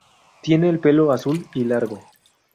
Tiene el pelo azul y largo.